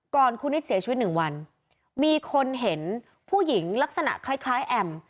ก่อนคุณนิดเสียชีวิตหนึ่งวันมีคนเห็นผู้หญิงลักษณะคล้ายแอม